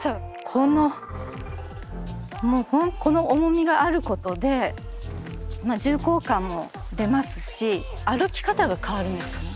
このこの重みがあることで重厚感も出ますし歩き方が変わるんですよね。